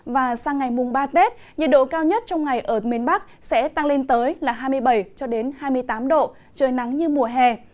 và sang ngày mùng ba tết nhiệt độ cao nhất trong ngày ở miền bắc sẽ tăng lên tới là hai mươi bảy hai mươi tám độ trời nắng như mùa hè